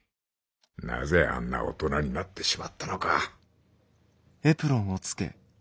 なぜあんな大人になってしまったのか」。